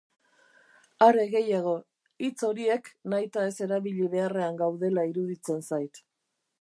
Are gehiago, hitz horiek nahitaez erabili beharrean gaudela iruditzen zait.